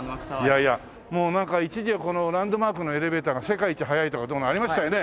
いやいやもうなんか一時はランドマークのエレベーターが世界一速いとかどうのありましたよね？